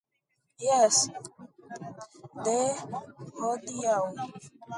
Jes, de hodiaŭ.